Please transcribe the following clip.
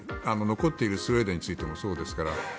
残っているスウェーデンについてもそうですから。